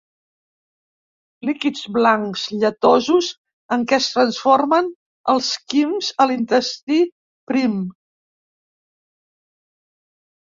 Líquids blancs lletosos en què es transformen els quims a l'intestí prim.